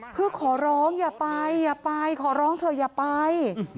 เพื่อขอร้องอย่าไปอย่าไปขอร้องเถอะอย่าไป